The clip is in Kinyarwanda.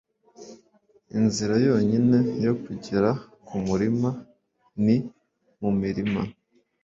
inzira yonyine yo kugera kumurima ni mumirima